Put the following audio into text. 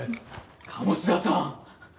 鴨志田さん。